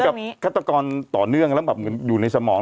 คิดว่าคัตตะกอนต่อเนื่องและอยู่ในสมอง